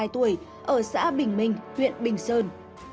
ba mươi hai tuổi ở xã bình minh huyện bình sơn